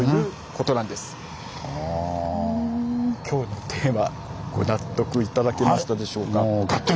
今日のテーマご納得頂けましたでしょうか。